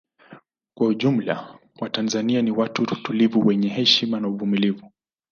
Kwa ujumla watanzania ni watu tulivu wenye heshima na uvumulivu